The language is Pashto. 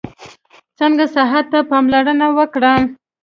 څنګه صحت ته پاملرنه وکړم؟